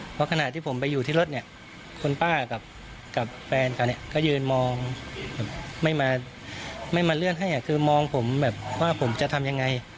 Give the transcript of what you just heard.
เพราะขณะที่ผมไปอยู่ที่รถเนี่ยคุณป้ากับแฟนเขาก็ยืนมองแบบไม่มาเลื่อนให้คือมองผมแบบว่าผมจะทำยังไง